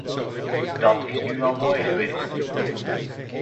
Dat is nu wel mooi geweest.